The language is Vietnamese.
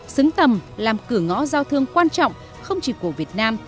xứng tầm làm cửa ngõ giao thương quan trọng không chỉ của việt nam